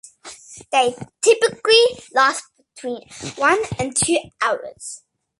They typically last between one and two hours.